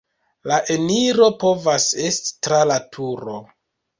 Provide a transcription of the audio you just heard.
La eniro povas esti tra la turo.